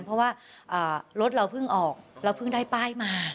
เพราะว่ารถเราเพิ่งออกเราเพิ่งได้ป้ายมา